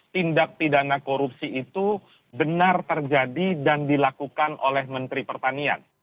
tindak pidana korupsi itu benar terjadi dan dilakukan oleh menteri pertanian